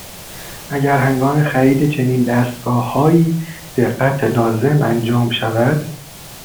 اگر هنگام خرید چنین دستگاههایی، دقّت لازم انجام شود